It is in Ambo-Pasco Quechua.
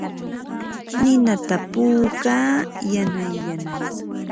Ninata puukaa yanay yanay.